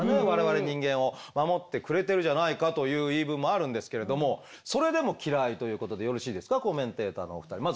我々人間を守ってくれてるじゃないかという言い分もあるんですけれどもそれでも嫌いということでよろしいですかコメンテーターのお二人。